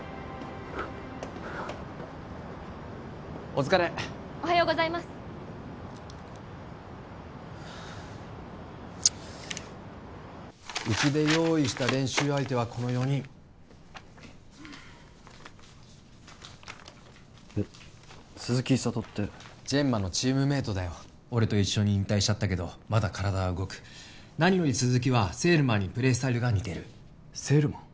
お疲れおはようございますうちで用意した練習相手はこの４人えっ鈴木湧己ってジェンマのチームメイトだよ俺と一緒に引退しちゃったけどまだ体は動く何より鈴木はセールマンにプレースタイルが似てるセールマン？